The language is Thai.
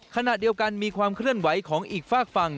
ขณะเดียวกันมีความเคลื่อนไหวของอีกฝากฝั่ง